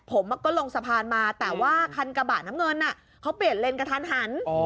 ผมก็ลงสะพานมาแต่ว่าคันกระบะน้ำเงินเขาเปลี่ยนเลนกระทันหัน